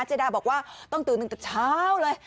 ดาบอกว่าต้องตื่นตั้งแต่เช้าเลย